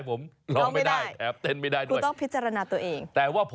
ปานามาปานามา